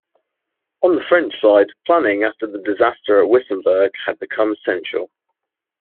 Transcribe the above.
On the French side, planning after the disaster at Wissembourg had become essential.